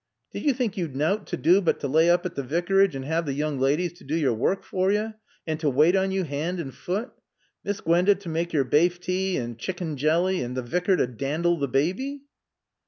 Did yo think you'd nowt to do but t' laay oop at t' Vicarage an' 'ave th yoong laadies t' do yore wark for yo, an' t' waait on yo 'and an' foot? Miss Gwanda t' mak' yore bafe tae an' chicken jally and t' Vicar t' daandle t' baaby?